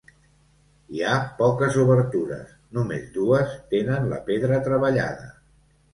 Hi ha poques obertures, només dues tenen la pedra treballada.